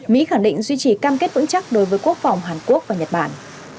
mỹ khẳng định duy trì cam kết vững chắc đối với quốc phòng hàn quốc và nhật bản